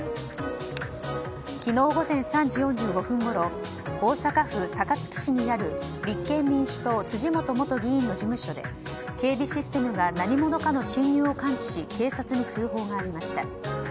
昨日午前３時４５分ごろ大阪府高槻市にある立憲民主党辻元元議員の事務所で警備システムが何者かの侵入を感知し警察に通報がありました。